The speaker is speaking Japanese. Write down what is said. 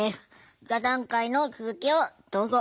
座談会の続きをどうぞ。